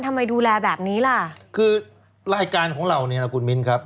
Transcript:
ทำไมดูแลแบบนี้ล่ะคือรายการของเราเนี่ยนะคุณมิ้นครับ